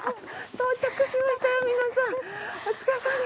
到着しましたよ皆さん。